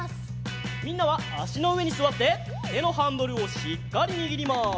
みんなはあしのうえにすわっててのハンドルをしっかりにぎります。